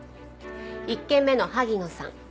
１件目の萩野さん